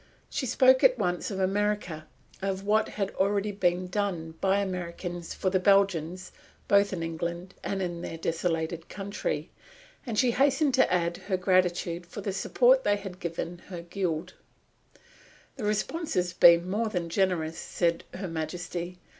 She spoke at once of America, of what had already been done by Americans for the Belgians both in England and in their desolated country. And she hastened to add her gratitude for the support they have given her Guild. "The response has been more than generous," said Her Majesty.